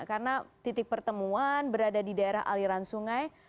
karena titik pertemuan berada di daerah aliran sungai